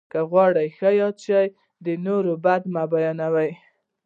که غواړې ښه یاد سې، د نور بد مه بيانوه!